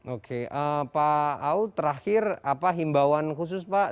oke pak aul terakhir apa himbauan khusus pak